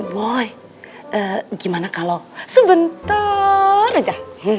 boy gimana kalau sebentar aja